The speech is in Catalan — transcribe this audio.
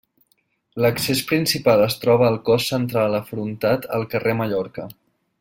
L'accés principal es troba al cos central afrontat al carrer Mallorca.